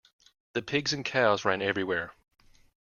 The pigs and cows ran everywhere.